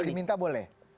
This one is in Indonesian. kalau diminta boleh